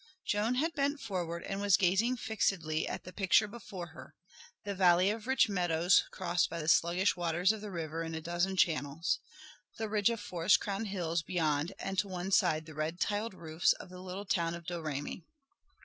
Joan had bent forward, and was gazing fixedly at the picture before her, the valley of rich meadows crossed by the sluggish waters of the river in a dozen channels, the ridge of forest crowned hills beyond and to one side the red tiled roofs of the little town of Domremy.